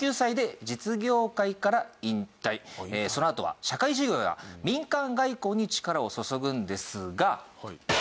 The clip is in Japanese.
そのあとは社会事業や民間外交に力を注ぐんですが。